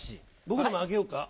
僕のもあげようか？